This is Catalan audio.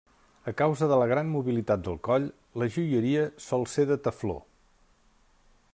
A causa de la gran mobilitat del coll, la joieria sol ser de tefló.